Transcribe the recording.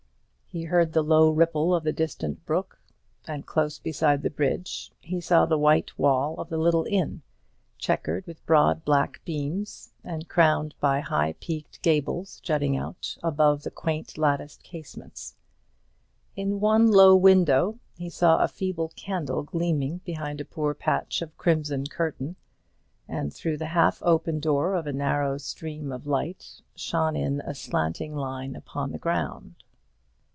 He heard the low ripple of the distant brook; and close beside the bridge he saw the white wall of the little inn, chequered with broad black beams, and crowned by high peaked gables jutting out above the quaint latticed casements. In one low window he saw a feeble candle gleaming behind a poor patch of crimson curtain, and through the half open door a narrow stream of light shone in a slanting line upon the ground.